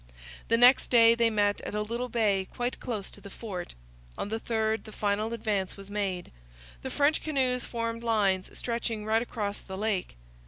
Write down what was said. The next day they met at a little bay quite close to the fort. On the 3rd the final advance was made. The French canoes formed lines stretching right across the lake.